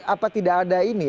apa tidak ada ini